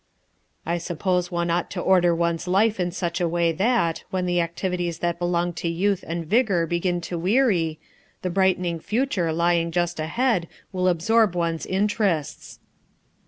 "I suppose one ought to order one's life in G2 FOUR MOTHERS AT CHAUTAUQUA such a way that, when the activities that belong to youth and vigor begin to weary, the brighten ing future lying just ahead will absorb one's interests."